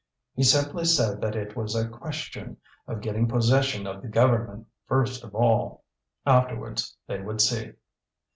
He simply said that it was a question of getting possession of the government first of all. Afterwards they would see.